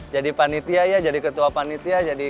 jadi panitia iya jadi ketua panitia